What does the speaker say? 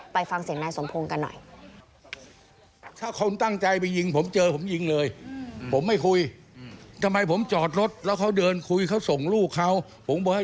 ฟังเสียงนายสมพงศ์กันหน่อย